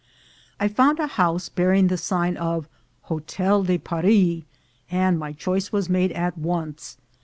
I found a house bearing the sign of "Hotel de Paris," and my choice was made at once.